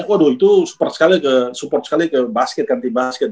waduh itu support sekali ke support sekali ke basket kan di basket